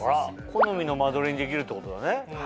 好みの間取りにできるってことだね。